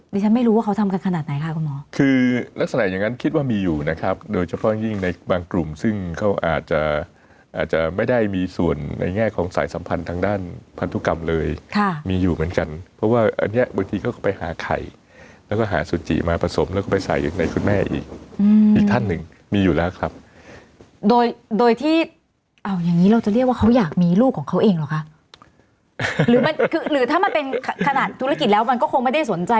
แต่ฉันไม่รู้ว่าเขาทำกันขนาดไหนค่ะคุณหมอคือลักษณะอย่างนั้นคิดว่ามีอยู่นะครับโดยเฉพาะยิ่งในบางกลุ่มซึ่งเขาอาจจะไม่ได้มีส่วนในแง่ของสายสัมพันธ์ทางด้านพันธุกรรมเลยมีอยู่เหมือนกันเพราะว่าอันนี้บางทีเขาก็ไปหาไข่แล้วก็หาสุจิมาผสมแล้วก็ไปใส่ในคุณแม่อีกอีกท่านหนึ่งมีอยู่แล้วครั